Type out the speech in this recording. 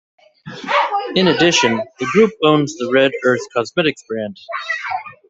In addition, the group owns the Red Earth cosmetics brand.